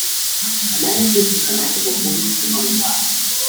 A man kisses the neck of a woman sitting on his lap.